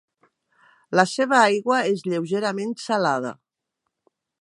La seva aigua és lleugerament salada.